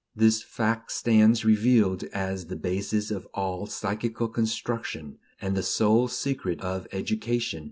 This fact stands revealed as the basis of all psychical construction, and the sole secret of education.